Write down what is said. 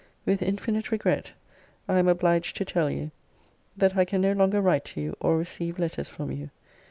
With infinite regret I am obliged to tell you, that I can no longer write to you, or receive letters from you.